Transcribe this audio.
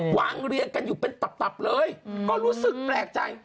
เรียงกันอยู่เป็นตับเลยก็รู้สึกแปลกใจ